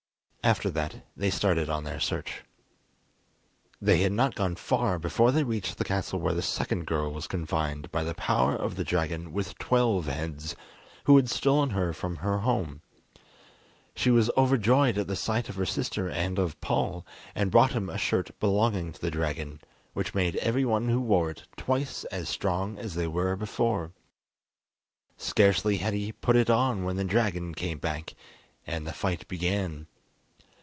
After that, they started on their search. They had not gone far before they reached the castle where the second girl was confined by the power of the dragon with twelve heads, who had stolen her from her home. She was overjoyed at the sight of her sister and of Paul, and brought him a shirt belonging to the dragon, which made every one who wore it twice as strong as they were before. Scarcely had he put it on when the dragon came back, and the fight began.